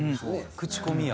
口コミや。